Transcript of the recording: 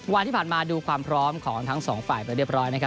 วันที่ผ่านมาดูความพร้อมของทั้งสองฝ่ายไปเรียบร้อยนะครับ